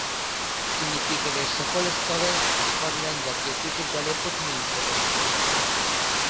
তিনি ক্রিকেটের সকল স্তরে স্কটল্যান্ড জাতীয় ক্রিকেট দলে প্রতিনিধিত্ব করছেন।